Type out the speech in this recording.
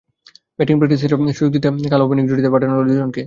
Batting প্র্যাকটিসের সুযোগ করে দিতে কাল তাই ওপেনিং জুটিতে পাঠানো হলো দুজনকে।